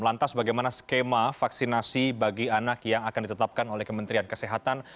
lantas bagaimana skema vaksinasi bagi anak yang akan ditetapkan oleh kementerian kesehatan